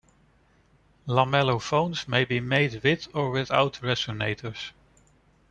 Lamellophones may be made with or without resonators.